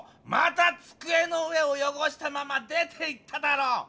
またつくえの上をよごしたまま出ていっただろ！